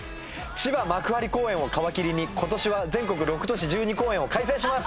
千葉幕張公演を皮切りに今年は全国６都市１２公演を開催します。